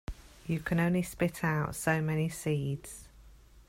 You can only spit out so many seeds.